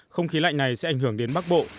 không khí lạnh này sẽ ảnh hưởng đến bắc bộ